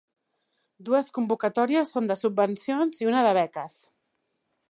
Dues convocatòries són de subvencions i una de beques.